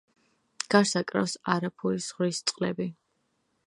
გარს აკრავს არაფურის ზღვის წყლები.